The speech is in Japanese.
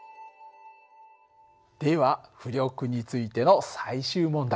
では浮力についての最終問題。